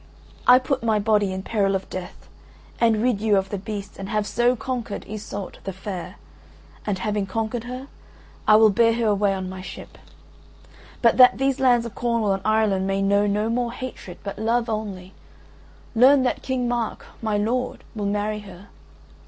"I put my body in peril of death and rid you of the beast and have so conquered Iseult the Fair, and having conquered her I will bear her away on my ship. "But that these lands of Cornwall and Ireland may know no more hatred, but love only, learn that King Mark, my lord, will marry her.